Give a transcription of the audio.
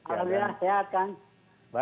alhamdulillah sehat kang